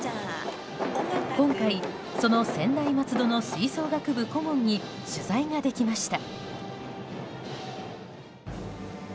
今回、その専大松戸の吹奏楽部顧問に取材ができました。